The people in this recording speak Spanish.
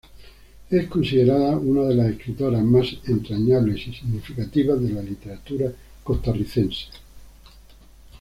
Es considerada una de las escritoras más entrañables y significativas de la literatura costarricense.